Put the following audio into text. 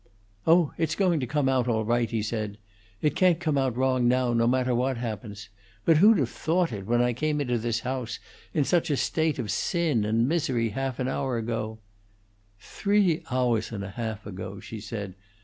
"Oh, it's going to come out all right," he said. "It can't come out wrong now, no matter what happens. But who'd have thought it, when I came into this house, in such a state of sin and misery, half an hour ago " "Three houahs and a half ago!" she said.